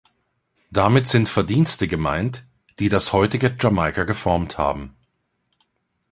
Damit sind Verdienste gemeint, die das heutige Jamaika geformt haben.